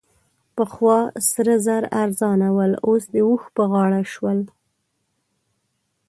پخوا سره زر ارزانه ول؛ اوس د اوښ په غاړه شول.